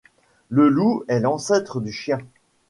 le loup est l'ancètre du chien